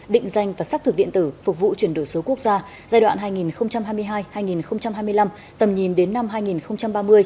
định danh và xác thực điện tử phục vụ chuyển đổi số quốc gia giai đoạn hai nghìn hai mươi hai hai nghìn hai mươi năm tầm nhìn đến năm hai nghìn ba mươi